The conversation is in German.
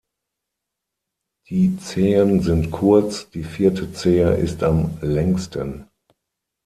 Die Zehen sind kurz, die vierte Zehe ist am längsten.